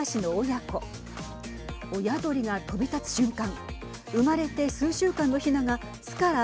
親鳥が飛び立つ瞬間生まれて数週間のヒナが巣から